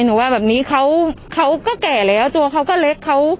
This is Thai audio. หนูว่าแบบนี้เขาเขาก็แก่แล้วตัวเขาก็เล็ก